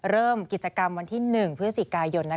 เริ่มกิจกรรมวันที่๑พฤศจิกายน